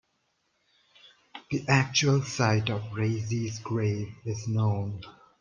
The actual site of Reizei's grave is known.